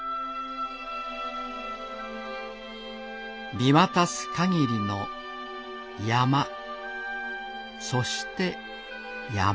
見渡すかぎりの山そして山。